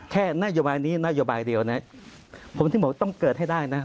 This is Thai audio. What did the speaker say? แค่นโยบายนี้นโยบายเดียวนะผมถึงบอกต้องเกิดให้ได้นะ